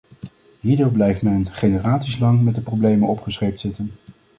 Hierdoor blijft men generaties lang met de problemen opgescheept zitten.